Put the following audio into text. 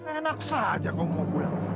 enak saja kau mau pulang